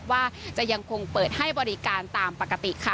ว่าจะยังคงเปิดให้บริการตามปกติค่ะ